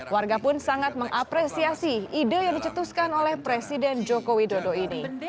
warga pun sangat mengapresiasi ide yang dicetuskan oleh presiden joko widodo ini